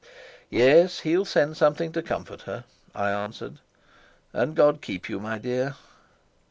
"Yes, he'll send something to comfort her," I answered. "And God keep you, my dear."